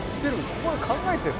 ここで考えてるの？」